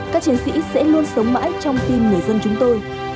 các chiến sĩ sẽ luôn sống mãi trong tim người dân chúng tôi